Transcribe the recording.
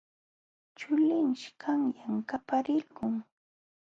Chulinshi qanyan paqarilqun.